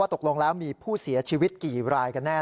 ตกลงแล้วมีผู้เสียชีวิตกี่รายกันแน่